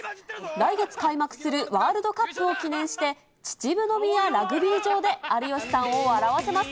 来月開幕するワールドカップを記念して、秩父宮ラグビー場で有吉さんを笑わせます。